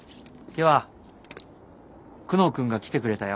久能君が来てくれたよ。